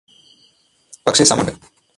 പക്ഷേ സംശയമുണ്ട്